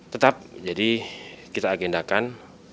tetap jadi kita agendakan